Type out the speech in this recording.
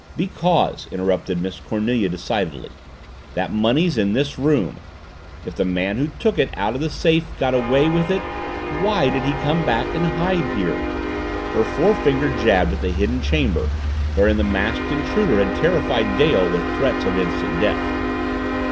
"Because," interrupted Miss Cornelia decidedly, "that money's in this room. If the man who took it out of the safe got away with it, why did he come back and hide there?" Her forefinger jabbed at the hidden chamber wherein the masked intruder had terrified Dale with threats of instant death.